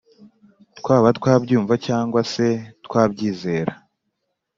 twaba twabyumva cyangwa se twabyizera.